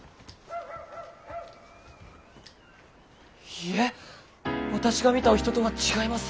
いえ私が見たお人とは違います。